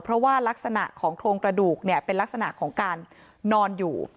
เพราะว่ารักษณะของโครงกระดูกเนี่ยเป็นลักษณะของการนอนอยู่